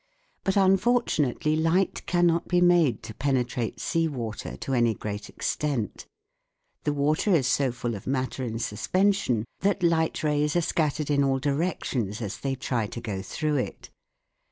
But unfortun ately light cannot be made to penetrate sea water to any great extent . The water is so full of matter in suspension that light rays are scattered in all directions as they try to go through it